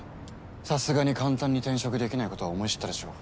さすがに簡単に転職できないことは思い知ったでしょう。